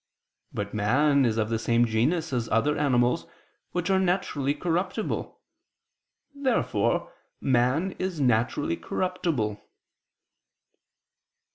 But man is of the same genus as other animals which are naturally corruptible. Therefore man is naturally corruptible.